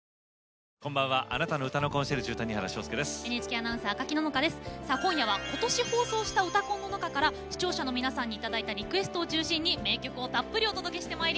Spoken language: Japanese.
さあ今夜は今年放送した「うたコン」の中から視聴者の皆さんに頂いたリクエストを中心に名曲をたっぷりお届けしてまいります。